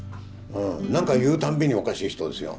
何か言う度におかしい人ですよ。